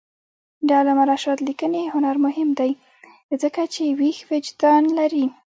د علامه رشاد لیکنی هنر مهم دی ځکه چې ویښ وجدان لري.